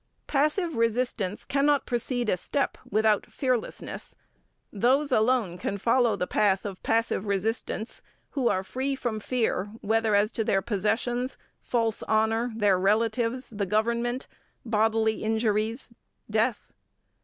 Passive resistance cannot proceed a step without fearlessness. Those alone can follow the path of passive resistance who are free from fear whether as to their possessions, false honour, their relatives, the government, bodily injuries, death.